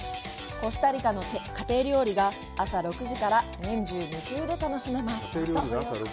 コスタリカの家庭料理が朝６時から年中無休で楽しめます。